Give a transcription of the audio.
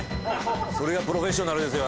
それがプロフェッショナルですよ